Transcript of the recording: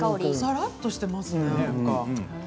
さらっとしていますね。